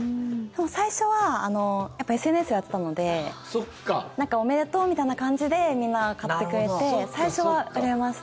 最初はやっぱＳＮＳやってたのでなんかおめでとうみたいな感じでみんな買ってくれて最初は売れました。